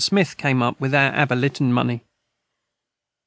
Smith come up with our abilitan money.